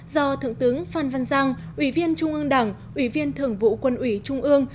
do thượng tướng phan văn giang ủy viên trung ương đảng ủy viên thưởng vụ quân ủy trung ương